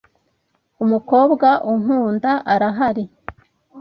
Umukobwa unkunda arahari.